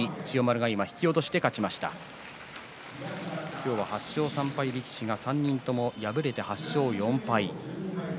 今日は８勝３敗力士３人とも敗れて８勝４敗となりました。